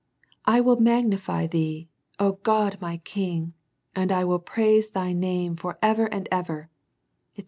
/ will magnify thee, O God my king : I loill praise thy name for ever and ever, 8^c.